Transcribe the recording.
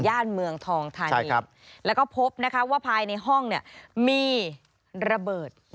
ย่านเมืองทองทานีแล้วก็พบว่าภายในห้องมีระเบิด